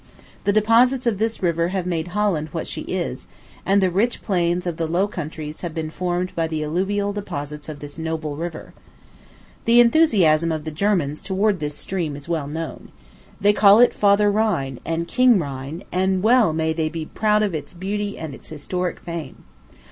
The deposits of this river have made Holland what she is; and the rich plains of the Low Countries have been formed by the alluvial deposits of this noble river. The enthusiasm of the Germans towards this stream is well known. They call it Father Rhine, and King Rhine; and well may they be proud of its beauty and its historic fame.